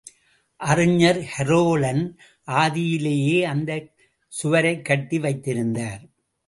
அறிஞர் கரோலன் ஆதியிலேயே அந்தச் சுவரைக் கட்டி வைத்திருந்தார்.